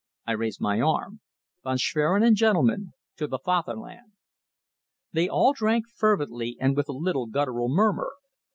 I raise my arm. Von Schwerin and gentlemen 'To the Fatherland!'" They all drank fervently and with a little guttural murmur.